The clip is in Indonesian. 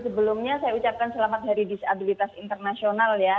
sebelumnya saya ucapkan selamat hari disabilitas internasional ya